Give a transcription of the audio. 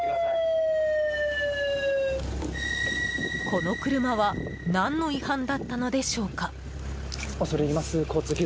この車は何の違反だったのでしょうか？